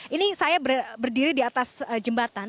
ini saya berdiri di atas jembatan